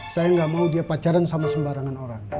saya nggak mau dia pacaran sama sembarangan orang